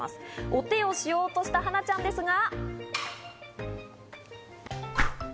お手をしようとした、はなちゃんですが。